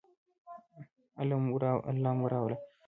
الله مو راوله